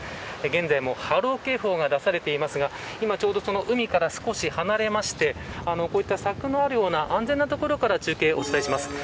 現在も波浪警報が出されていますが海から少し離れましてこういった柵のあるような安全な所から中継お伝えします。